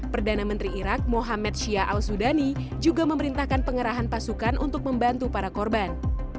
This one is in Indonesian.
perdana menteri irak mohamed syia al sudani juga memerintahkan pengerahan pasukan untuk membantu para korban